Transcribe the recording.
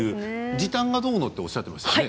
時短がどうのっておっしゃってましたね。